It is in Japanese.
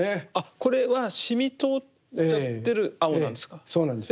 これは染み通っちゃってる青なんですか？